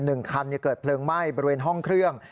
หนึ่งคันเกิดเพลิงไหม้บริเวณห้องเครื่อง